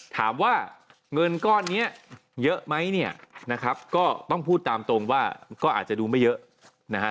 ถามว่าเงินก้อนนี้เยอะไหมเนี่ยนะครับก็ต้องพูดตามตรงว่าก็อาจจะดูไม่เยอะนะฮะ